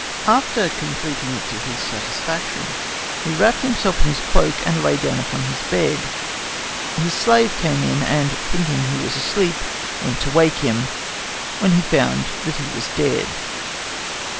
After completing it to his satisfaction, he wrapped himself in his cloak and lay down upon his bed. His slave came in, and, thinking he was asleep, went to wake him, when he found that he was dead.